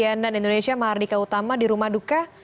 an dan indonesia mardika utama di rumah duka